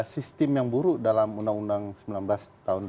sistem yang buruk dalam undang undang sembilan belas tahun dua ribu sembilan belas ya